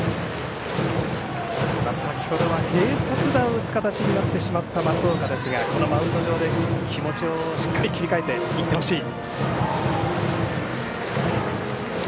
先ほどは併殺打を打つ形になってしまった松岡ですがこのマウンド上で気持ちをしっかり切り替えていってほしい。